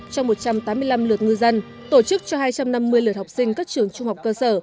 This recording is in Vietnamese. cho một trăm tám mươi năm lượt ngư dân tổ chức cho hai trăm năm mươi lượt học sinh các trường trung học cơ sở